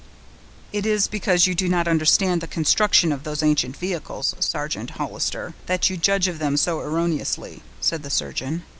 "It is because you do not understand the construction of those ancient vehicles, Sergeant Hollister, that you judge of them so erroneously," said the surgeon.